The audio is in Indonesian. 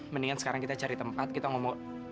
mendingan sekarang kita cari tempat kita ngomong